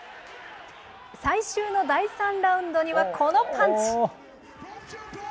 最終の第３ラウンドには、このパンチ。